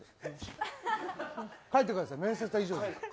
帰ってください、面接は以上です。